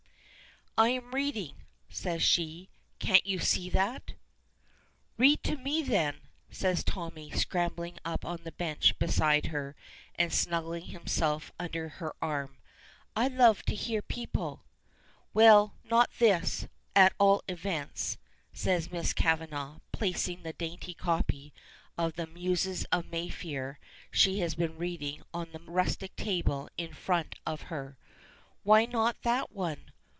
"I am reading," says she. "Can't you see that?" "Read to me, then," says Tommy, scrambling up on the bench beside her and snuggling himself under her arm. "I love to hear people." "Well, not this, at all events," says Miss Kavanagh, placing the dainty copy of "The Muses of Mayfair," she has been reading on the rustic table in front of her. "Why not that one?